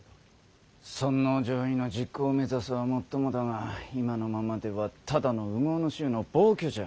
尊王攘夷の実行を目指すはもっともだが今のままではただの烏合の衆の暴挙じゃ。